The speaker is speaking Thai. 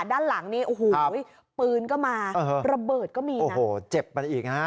ด้านหลังนี้โอ้โหปืนก็มาระเบิดก็มีโอ้โหเจ็บไปอีกฮะ